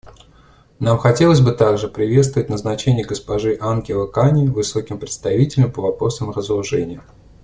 Нам хотелось бы также приветствовать назначение госпожи Ангелы Кане Высоким представителем по вопросам разоружения.